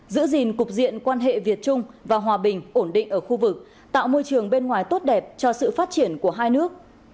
giữ gìn cục diện quan hệ việt trung và hòa bình ổn định ở khu vực tạo môi trường bên ngoài tốt đẹp cho sự phát triển của hai nước